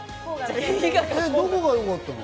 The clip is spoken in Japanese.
どこがよかったの？